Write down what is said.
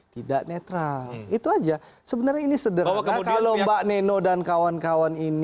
tidak netral itu aja sebenarnya ini sederhana kalau mbak neno dan kawan kawan ini